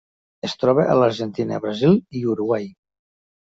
Es troba a l'Argentina, Brasil i Uruguai.